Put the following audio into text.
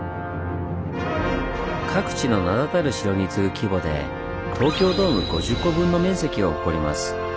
各地の名だたる城に次ぐ規模で東京ドーム５０個分の面積を誇ります。